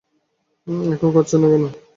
এখানে করছেন না কেন?